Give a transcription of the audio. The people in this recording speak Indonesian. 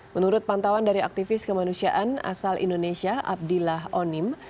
menurut pantauan dari aktivis kemanusiaan asal indonesia abdillah onim